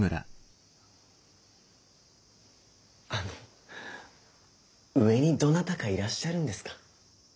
あの上にどなたかいらっしゃるんですか？